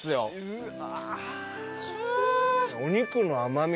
うわ！